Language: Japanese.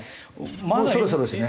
もうそろそろですよね。